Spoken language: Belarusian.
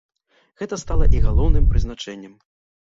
Гэта стала іх галоўным прызначэннем.